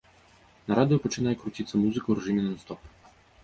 На радыё пачынае круціцца музыка ў рэжыме нон-стоп.